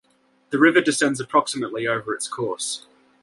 The river descends approximately over its course.